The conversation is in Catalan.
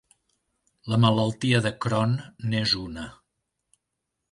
La malaltia de Crohn n'és una.